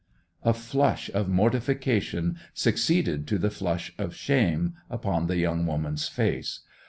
A flush of mortification succeeded to the flush of shame upon the young woman's face.